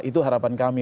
itu harapan kami